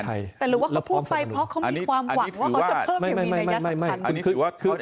แต่หรือว่าเขาพูดไปเพราะเขามีความหวังว่าเขาจะเพิ่มยังไง